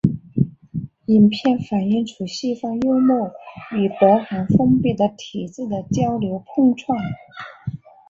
影片反映出西方幽默与北韩封闭的体制的交流碰撞。